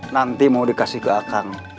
nanti mau dikasih ke akang